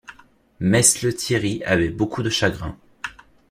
Mess Lethierry avait beaucoup de chagrin.